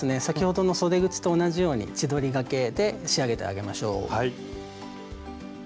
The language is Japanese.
先ほどのそで口と同じように千鳥がけで仕上げてあげましょう。